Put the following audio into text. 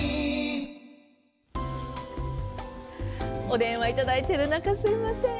お電話いただいてる中すみません。